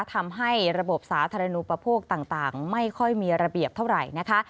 ทำให้ระบบสาธารณูปโภคต่างไม่ค่อยมีระเบียบเท่าไหร่นะคะ